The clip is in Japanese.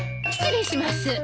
失礼します。